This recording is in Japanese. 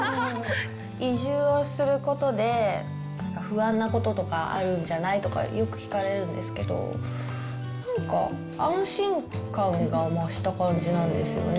移住をすることで、なんか不安なこととかあるんじゃない？とか、よく聞かれるんですけど、なんか安心感が増した感じなんですよね。